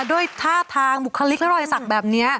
ด้วยท่าทางบุคลิกและรอยสักแบบนี้